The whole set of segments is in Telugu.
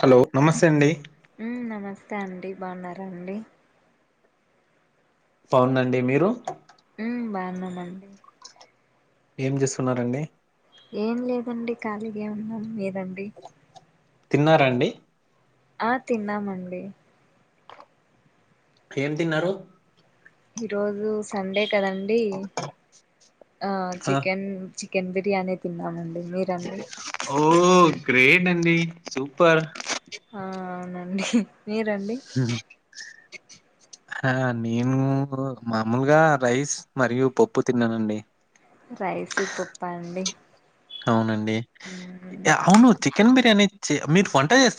హలో నమస్తే అండి తండి అండి బావున్నారా అండి? అవునండి మీరు? ఉమ్ బావున్నామండి ఏం చేస్తున్నారండి? ఏం లేదండి ఖాళీగే ఉన్నాం లేదండి తిన్నారండి? అ తిన్నామండి ఏం తిన్నారు? ఈ రోజు సండే కదండి ఆ చికెన్ చి కెన్ బిర్యానీ తిన్నాము. ఓ గ్రేట్ అండి సూపర్ నిహ్ మీరండి ఆ నేను ఒకరోజు మామూలుగా రైస్ మరియు పప్పు తిన్నానండి. రైసు పప్పా అండి అవునండి ఉమ్ అవును చికెన్ బిర్యానీ మీరు వంట చేస్త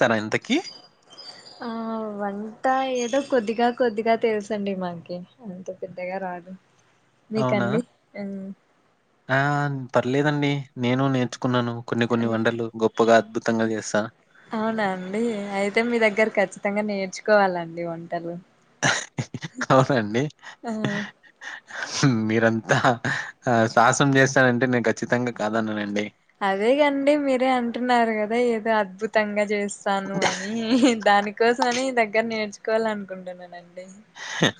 ఆ వన్ టా ఏదో కొద్దిగా కొద్దిగా తెలుసండి మనకి అంత పెద్దగా రాదు అవునా మీకండి ఉమ్ ఆ పర్లేదండి నేను నేర్చుకున్నాను కొన్ని కొన్ని వంటలు గొప్పగా అద్భుతంగా చేస్తాను అవునండి అయితే మీ దగ్గర ఖచ్చితంగా నేర్చుకోవాలండి వంటలు అవునండి ఆ మీరంతా సాహసం చేస్తనంటే నేను ఖచ్చితంగా కాదాన్నానండి అదేగండి మీరే అంటున్నారు కదా ఏదో అద్భుతంగా చేస్త ఇస్తాను అని దానికోసం అని దగ్గర నేర్చుకోవాల అనుకుంటున్నానండి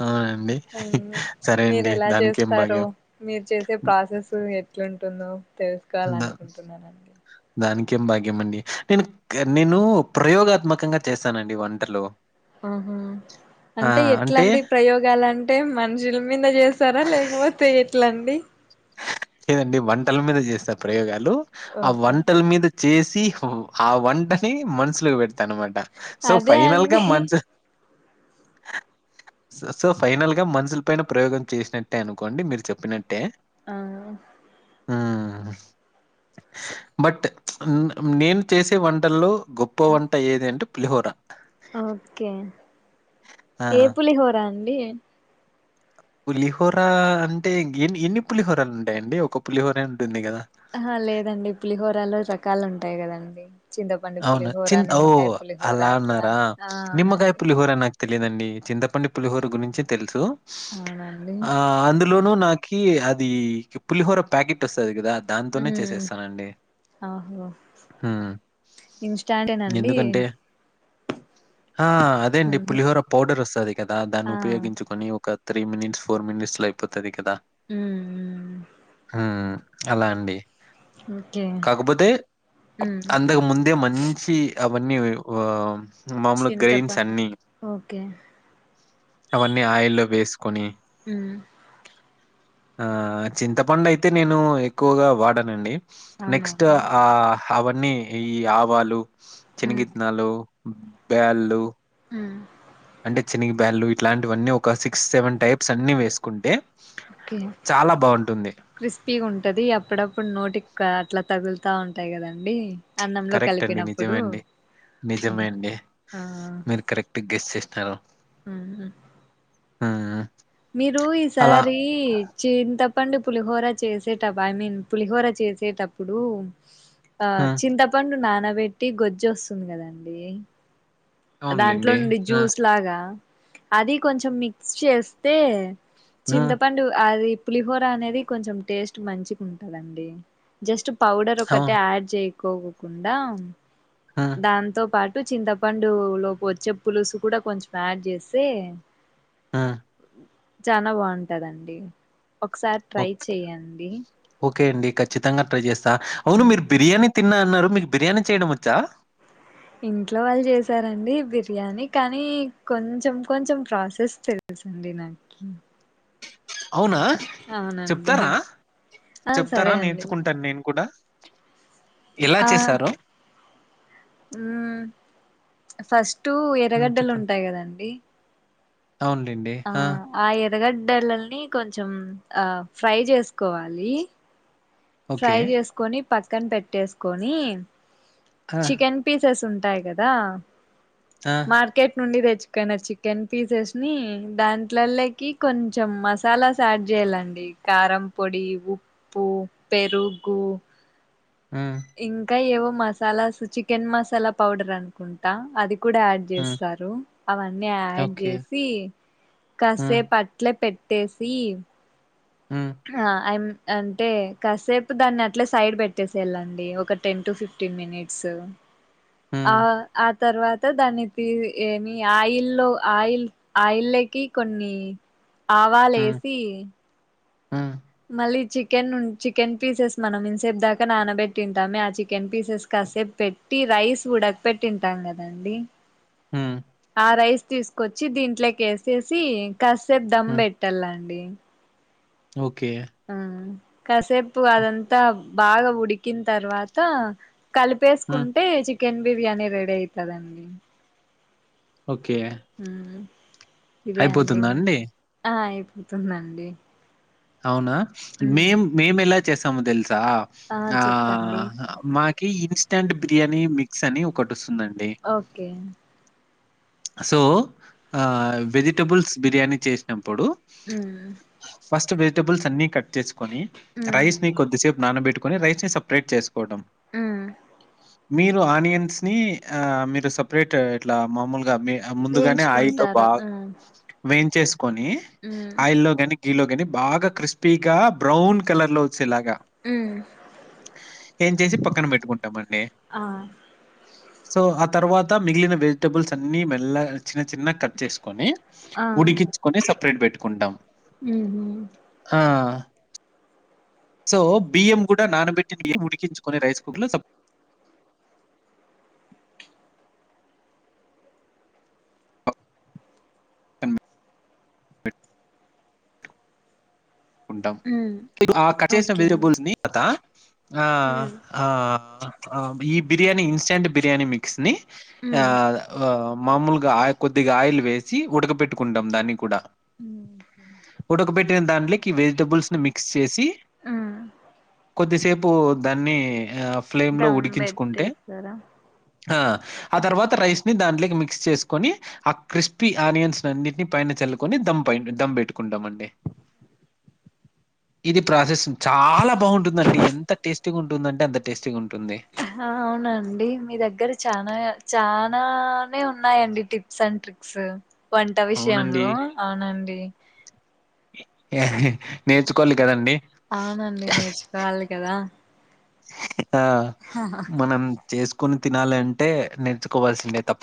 అవునండి. సరే మీరు అండి. ఎలా దానికేం చేస్తారు భాగ్యం. మీరు చేసే ప్రాసెస్ ఎట్లుంటుందో తెలుసుకోవాల అనుకుంటున్నాండి ము్యం భాగ్యం అండి నేను నేను ప్రయోగాత్మకంగా చేస్తానండి వంటలు ఆహా అంటే ఎట్లాంటి ప్రయోగాలుంటే మనుషుల మీద చేస్తారా లేకపోతే ఎట్లాండి లేదండి వంటల మీద చేస్తే ప్రయోగాలు ఆ ఓకే వంటల మీద చేసి ఆ వంటని మనుషులకి పెడత తనమాట సో అదే ఫైనల్గా అండి మంచు సో ఫైనల్ గా మనుషుల పైన ప్రయోగం చేసినట్టే అనుకోండి మీరు చెప్పినట్టే ఆ ఆ బట్ నేను చేసే వంటల్లో గొప్ప వంట ఏది అంటే పులిహోర ఓకే ఏ ఆ! పులిహోరా అండి పులిహోర అంటే ఎన్ని ఎన్ని పులిహోరలు ఉంటాయండి ఒక పులిహోర అంట ఆ లేదండి పులిహోరాలో రకాలు ఉంటాయి కదండి చింతపండు అవును. పులిహోరా చిన్ ఓ! నిమ్మకాయ అలా పులిహోరా అట్లా ఆనండి తెలిదండి చింతపండి పులిహోర గురించి తెలుసు అవునండి ఆ అందులోనుూ నాకు అది పులిహోర ప్యాకెట్ వస్తుంది కదా దాంతోనే ఉమ్ చేసేస్తానండి ఆహో హ్మ్ ఇన్స్టాంటేనండి ఎందుకంటే ఆ అదే అండి ఉహు పులిహోర పౌడర్ వస్తుంది కదా దాన్ని ఆ ఉపయోగించుకొని ఒక త్రీ మినిట్స్ ఫోర్ మినిట్స్ లో అయిపోతుది కదా ఉమ్ ఉమ్ అలా అండి ఓకే కాకపోతే హ్మ్ అంతకు ముందే మంచి అవన్నీ ఓ మాములు గ్రెయిన్స్ చింతపండు అన్ని ఓకే అవన్నీ ఆయిల్లో వేసుకొని హ్మ్ ఆ చింతపండు అయితే నేను ఎక్కువగా వాడానండి నెక్స్ట్ అవునండి ఆ అవన్నీ ఈ ఆవాలు ఉమ్ చనగిత్తనాలు బెళ్ళు అ అంటే చినిగి బ్యాన్లు ఇట్లాంటివన్నీ ఒక సిక్స్ సెవెన్ టైప్స్ అన్ని వేసుకుంటే ఓకే చాలా బావుంటుంది. క్రిస్పీగా ఉంటది అప్పుడప్పుడు నోటి అట్లా తాగుల్తా ఉంటాయి కదండి అన్నంలో కరెక్ట్ అండి. కలిపినప్పుడు నిజమే అండి. నిజమే అండి. ఆ మీరు కరెక్ట్‌గా గెస్ ఉహు ఆ మీరు ఈసారి చింత పండు పులిహోర చేసేటబ ఐ మీన్ పులిహోర చేసేటప్పుడు ఆ హ్మ్. చింతపండు నానబెట్టి గొజ్జు వస్తుంది కదండీ దాంట్లో అవునులెండి. నుండి ఆ! జ్యూస్ లాగా అది కొంచెం మిక్స్ చేస్తే హ్మ్. చింతపండు అది పులిహోర అనేది కొంచెం టేస్ట్ మంచిగుంటుందండి డి జస్ట్ పౌడర్ ఒకటే అవును. యాడ్ చేయ్ కోకుండా హ్మ్. దాంతో పాటు చింతపం డు లోపు వచ్చే పులుసు కూడా కొంచెం యాడ్ చేస్తే ఆ చానా బాగుంటదండి ఒకసారి ట్రై ఓక్ చేయండి ఓకే అండి ఖచ్చితంగా ట్రై చేస్తా అవును మీరు బిర్యానీ తిన్నా అన్నారు మీకు బిర్యానీ చేయడం వచ్చా ఇంట్లో వాళ్ళు చేసారండి బిర్యానీ కానీ కొంచెం కొంచెం ప్రాసెస్ తెల్ సండి నాకి అవునా అవునండి చెప్తారా ఆ చెప్తారా సరే అండి నేర్చుకుంటాను నేను కూడా ఎలా చేశారు ఉ ఫస్ట్ హ్మ్. ఎరగడ్డలు చెప్పండి. ఉంటాయి కదండి అవునులెండి హ ఏరగడ్డలల్ని కొంచెం ఆ ఫ్రై చేసుకోవాలి ఓకే. ఫ్రై చేసుకొని పక్కన పెట్టేసుకొని ఆ! చికెన్ పీసెస్ ఉం టాయి కదా ఆ! మార్కెట్ నుండి తెచ్ చికెన్ చికెన్ పీసెస్ ని దాంట్లలకి కొంచెం మసాలాస్ యాడ్ చేయ్యలండి కారం పొడి ఉప్పు పెరుగు హ్మ్. ఇంకా ఏవో మసాలాస్ చికెన్ మసాలా పౌడర్ అనుకుంటా అది కూడా యాడ్ హ్మ్. చేస్తారు అవన్నీ యాడ్ ఓకే. చేసి హ్మ్. కసేపట్ల పెట్టేసి హ్మ్. ఆ ఐం అంటే కాసేపు దాన్ని అట్లా సైడ్ పెట్టేసేయళ్ళండి ఒక టెన్ టు ఫిఫ్టీన్ మినిట్స్ హ్మ్. ఆ అ తర్వాత దాన్ని ఏమి ఆయిల్లో ఆయిల్ ఆయిల్లేకి కొన్ని ఆవాలేసి ఉ మళ్ళీ చికెన్ చికెన్ పీసెస్ మనం ఇన్సేపు దాకా నానబెట్టింటామే ఆ చికెన్ పీసెస్ క కాసేపు పెట్టి రైస్ ఉడక పెట్టింటాం కదండి [inaudible] ఆ రైస్ తీసుకొచ్చి దీంట్లోకి ఎసేసి కాసేపు దమ్ హ్మ్. పెట్టలండి ఓకే కాసేపు అదంతా బాగా ఉడికిన తర్వాత హ్మ్. కలిపేసుకుంటే చికెన్ బిర్యానీ రెడీ అయితదండి ఓకే. ఇదే అండి ఆ ఇ తుందండి అవునా మేం మేము ఎలా చేసామో తెల్స్ తా ఆ మాకి ఇన్స్టాంట్ బిర్యాని మిక్స్ అని ఒకటి వస్ ఓకే సో వెజిటబుల్స్ బిర్యానీ చేసినాం ప్పుడు మ్మ్. ఫస్ట్ వెజిటబుల్స్ అన్ని కట్ చేసుకొని మ్మ్. రైస్ ని కొద్దిసేప్ నానబెట్టుకొని రైసే సపరేట్ చేసుకోవడం హ్మ్ మీరు ఆనియన్స్ని ఆ మీరు సపరేట్ ఇట్లా మామూలుగా మీ అ ముందుగానే ఆయిల్లో వేయించుకుంటారు బా ఉమ్ వేన్ చేస్కొనీ ఉమ్ ఆయిల్లో గాని, గీలో గాని బాగా క్రిస్పీగా బ్రౌన్ కలర్లో చ్చే లాగా ఉమ్ ఏయించేసి పక్కన పెట్టుకుంటామండీ ఆ సో ఆ తర్వాత మిగిలిన వెజిటబుల్స్ అన్నీ మెల్లగ చినచిన్నగ కట్ చేసుకొనీ, ఉడికించ్చుకొని సపరేట్ పెట్టుకుంటాం. మ్ హూ ఆ! సో బియ్యం గుడా నానబెట్టిన ఉడికిచ్చుకొని రైస్ కుక్ లో సప్ తమ్మ [inaudible] ఉంటాం మీకు ఆ కట్ చేసిన ఓకే వెజిటబుల్స్నీ తర్వాత ఆ ఉమ్ ఆ ఆ ఈ బిర్యానీ ఇన్స్టంట్ బిర్యానీ మిక్స్ని ఆ ఆ మామూలుగా ఆయ్ కొద్దిగా ఆయిల్ వేసీ ఉడకపెట్టుకుంటాం దాన్ని కుడా ఇ వెజిటబుల్స్ని మిక్స్ చేసీ ఉమ్ కొద్దిసేపూ దాన్నీ ఆ ఫ్లేంలో దమ్ ఉడికించుకుంటే పెట్టేస్తారా ఆ ఆతర్వాత రైస్ ని దాంట్లొకి మిక్స్ చేస్కొని ఆ క్రిస్పీ ఆనియన్స్ నన్నిటినీ పైన చల్లుకొని దం పైన దం పెట్టుకు టామండి ఇది ప్రాసెస్సు చాలా బావుంటుందండీ ఎంత టేస్టీగుంటుందంటే అంత టేస్టీగుంటుంది అహా అవునండీ మీ దగ్గర చానాయ చా నానే ఉన్నాయండి టిప్స్ అండ్ ట్రిక్స్ వంట విషయంలో అవునండి నేర్చుకోవలి కదండి అవునండి నేర్చుకోవాలి కదా ఆ మనం చేస్కుని తినాలంటే నేర్చుకోవాల్సిందే తప్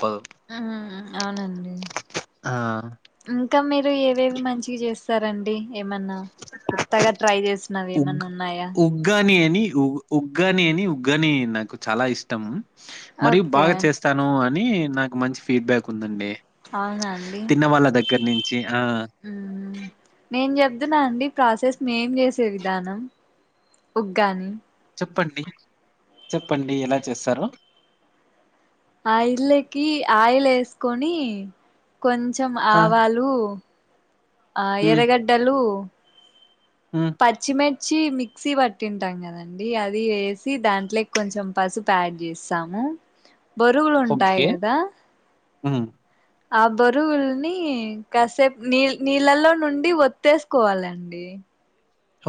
మ్హ్ మ్ మ్ అవునండి ఆ! ఇంకా మీరు ఏవేవి మంచిగ జేస్ సరండి ఏమన్నా కొత్తగా ట్రై చేసినవి ఏమన్నున్నాయా నీ అనీ ఊ ఉగ్గాని అనీ, ఉగ్గానీ నాకు చాలా ఇష్టం మరియు ఓకే బాగా చేస్తానూ అనీ నాకు మంచి ఫీడ్బ్యాక్ ఉందండి అవునాండి తిన్న వాళ్ళ దగ్గర నుంచి. ఆ! మ్ నేన్జెప్తున్నా అండి ప్రాసెస్ మేం జేసే విదానం ఉగ్గాని చెప్పండి చెప్పండీ ఎలా చేస్తారో ఆయిల్లకీ ఆయిలేస్కొనీ కొంచం ఆ! ఆవాలూ ఆ హ్మ్. ఎర్రగడ్డలూ హ్మ్. పచ్చిమే చ్చీ మిక్సీ పట్టింటాం కదండీ అది వెసీ దాంట్లోకి కొంచెం పసుపు ఆడ్ చేస్సాము బొరుగులు ఉంటై కదా ఆ ఆ బొరుగుల్నీ కాసేపు నీల్ నీళ్లలో నుండీ వత్తేసుకోవాలండి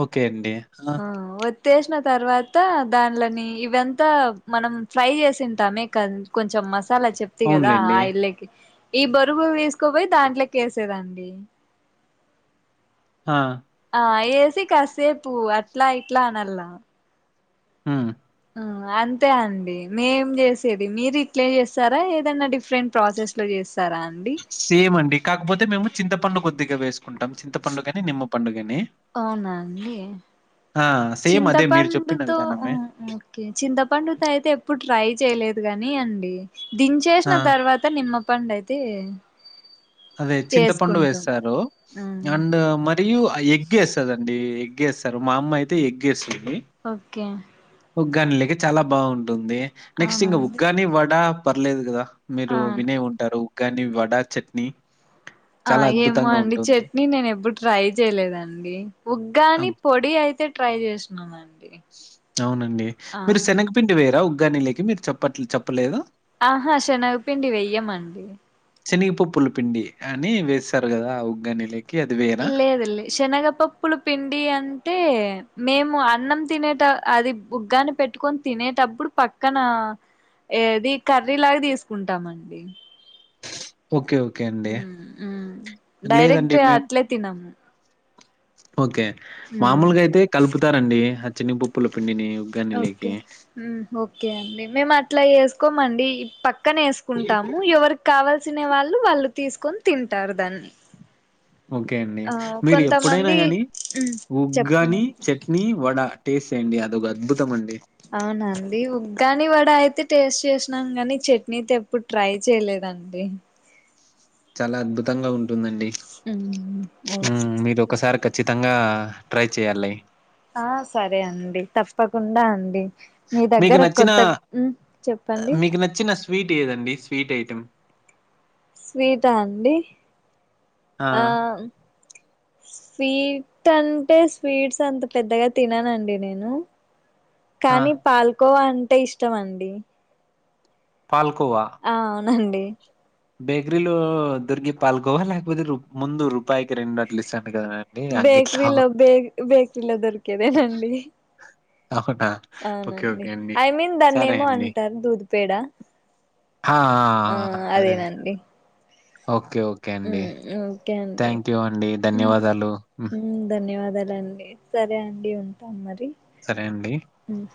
ఓకే అండి ఆ వత్ త్తేషిన తర్వాతా దాన్లనీ ఇవెంతా మనం ఫ్రై చేసింటామే కర్ కొంచెం మస్ సాలా చెప్తిగదా అవునులెండి. ఆయిల్లకి ఈ బొరుగుల్ తీస్కుపోయి దాంట్లోకేసేదండి ఆ ఆ ఏసి కాసేపు అట్లా ఇట్లా అనల్లా ఆ అంతే అండి మేం చేసేది మీరు ఇట్లే చేస్తారా ఏదన్నా డిఫరెంట్ ప్రాసెస్ లో చేస్త సేమ్ అండి కాకపోతే మేము చింతపండు కొద్దిగా వేసుకుంటాం చింతపండుకనే నిమ్మ పండు గాని. అవునా అండి ఆ! సేమ్ అదే మీరు చెప్పిన చింతపండుతో విధానమే. ఓకే చింతపండుతో అయితే ఎప్పుడు ట్రై చేయలేదు కాని అండి ఆ! దించేసిన తర్వాత నిమ్మపండైతే అదే చింతపండు వేస్తారు ఆ అండ్ మరియు ఎగ్ఎస్తరండీ ఎగ్గెస్తారు మా అమ్మ అయితే ఎగ్ వేస్తుంది ఓకే ఉగానీ లేక చాలా బాగుంటుంది నెక్స్ట్ అవునా ఇంకా అండి ఉగ్గాని వడ పర్లేదు కదా మీరు అవును వినే ఉంటారు గాని వడా చట్నీ ఆ చాలా ఏమో అద్భుతంగా అండి ఉంటుంది. చట్నీ నేను ఎప్పుడు ట్రై చేయలేదండి ఉగ్గాని అవ్ పొడి అయితే అంతే ట్రై చేసినండి అవునండి మీరు శనగపిండి వేరా ఉగ్గానీ లేకి మీరు చెప్పట్ చెప్పలేదా ఆహా శెనగపిండి వెయ్యమండి చేనగ పప్పుల పిండి అని వేస్తారు కదా ఆ ఉగ్గానే లే లెదులే శనగపప్పులు పిండి అంటే మేము అన్నం తినేట అది బుగ్గాని పెట్టుకొని తినేటప్పుడు పక్కన ఏది కర్రీలాగా తీసుకుంటామండి ఓకే ఓకే అండి. హ్మ్ డైరెక్ట్ లేదండి మేము అట్లే తినము ఓకే ఉమ్ మామూలుగా అయితే కలుపుతారండి ఆ చిన్ని పప్పుల పిండిని ఓకే ఉగ్గానీలకి. ఓకే అండి మేము అట్లా ఎసుకోమండి ఈ పక్క పక్కనే వేసుకుంటాము ఎవరికి కావాల్సిన వాళ్ళు వాళ్ళు తీసుకొని తింటారు దాన్ని ఓకే అండి ఆ మీరు ఎప్పుడైనా కొంతమంది గాని మ్మ్ ఉగ్గని చెప్పండి చట్నీ వడ టేస్ట్ చేయండి అది ఒక అద్భుతం అండి అవునండి ఉగ్గని వాడ అయితే టేస్ట్ చేసినాం కానీ చట్నీతే ఎప్పుడు ట్రై చేయలేదు దండి చాలా అద్భుతంగా ఉంటుందండి మ్మ్ ఓకే హ్మ్ మీరు ఒకసారి క్ ఖచ్చితంగా ట్రై చేయాలి ఆ సరే అండి తప్పకుండా అండి మీ మీకు దగ్గర నచ్చిన కొత్త మ్మ్ చెప్పండి మీకు నచ్చిన స్వీట్ ఏదండి స్వీట్ ఐటెం స్వీటా అండి ఆ స్వీట్ అంటే స్వీట్స్ అంత పెద్దగా తిననండి నేను ఆ! కానీ పాల్కోవా అంటే ఇష్టమ అండి పాల్కోవా అండి బేకారి లో దొరికి [unintelligible] ముపపాయికి రెండు అట్లా ఇస్తాను కదాండి అంగిట్లో బేకరీలో బే బేకరీలో దొరికేదేనండి అవునా! ఓకే. అవునండి ఓకే అండి. ఐ మీన్ దాన్న సరే ఏమో అండి. అంటారు దూద పేడ ఆ! ఆ! ఆ అదే అండి ఓకే ఓకే అండి అంటే అండి థాంక్యూ అండి. ధన్యవాదాలు. హ్మ్. ఉమ్ ధన్యవాద సరే అండి ఉంటాం మరి సరే అండి హ్మ్.